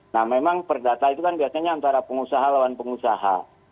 nah memang perdata itu kan biasanya antara pengusaha lawan pengusaha